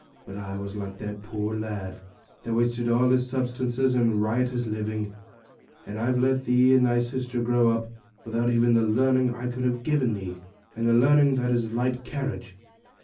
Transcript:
But I was like that poor lad that wasted all his substance in riotous living; and I've let thee and thy sister grow up without even the learning I could have given thee; and learning is light carriage.